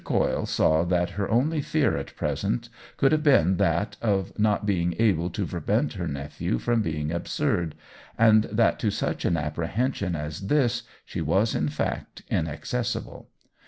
Coyle saw that her only fear at present could have been that of not being able to prevent her nephew from being absurd, and that to such an apprehension as this she was in fact inaccessible.